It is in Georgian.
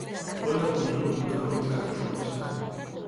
ყველა კუნძული ვულკანური წარმოშობისაა.